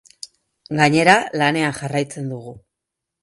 Gainera, lanean jarraitzen dugu.